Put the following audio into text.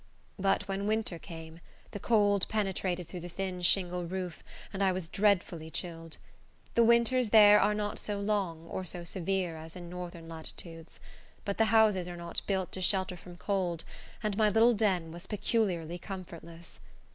But when winter came, the cold penetrated through the thin shingle roof, and I was dreadfully chilled. The winters there are not so long, or so severe, as in northern latitudes; but the houses are not built to shelter from cold, and my little den was peculiarly comfortless.